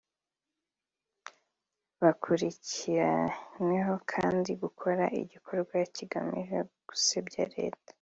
Bakurikiranweho kandi gukora igikorwa kigamije gusebya leta